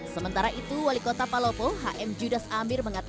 sementara itu wali kota palopo hm judas amir mengatakan